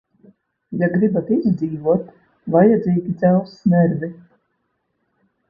Ja gribat izdzīvot, vajadzīgi dzelzs nervi.